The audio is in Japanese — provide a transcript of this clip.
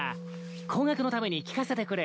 後学のために聞かせてくれ。